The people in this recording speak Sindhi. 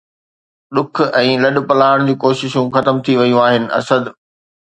ڏک ۽ لڏپلاڻ جون ڪوششون ختم ٿي ويون آهن، اسد